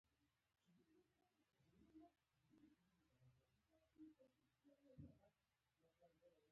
پښتانه اريايان دي.